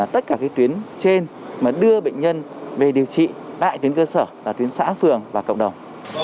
tất cả các tuyến trên đưa bệnh nhân về điều trị tại tuyến cơ sở tuyến xã phường và cộng đồng